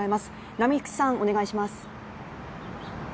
並木さん、お願いします。